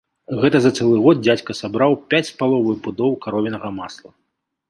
Гэта за цэлы год дзядзька сабраў пяць з паловаю пудоў каровінага масла.